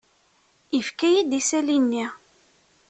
Yefka-iyi-d isali-nni.